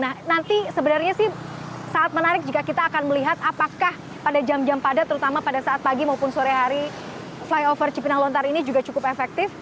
nah nanti sebenarnya sih sangat menarik jika kita akan melihat apakah pada jam jam padat terutama pada saat pagi maupun sore hari flyover cipinang lontar ini juga cukup efektif